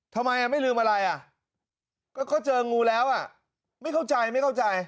ทำไมไม่ลืมอะไรอ่ะก็เขาเจองูแล้วอ่ะไม่เข้าใจไม่เข้าใจ